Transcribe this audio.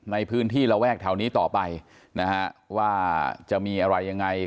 ในพื้นที่ระแวกแถวนี้ต่อไปนะฮะว่าจะมีอะไรยังไง